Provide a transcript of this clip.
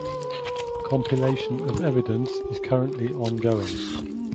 Compilation of evidence is currently ongoing.